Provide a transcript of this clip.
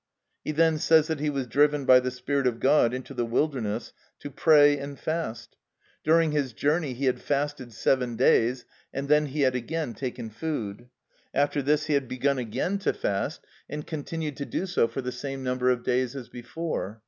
He then says that he was driven by the Spirit of God into the wilderness to pray and fast. During his journey he had fasted seven days and then he had again taken food. After this he had begun again to fast, and continued to do so for the same number of days as before.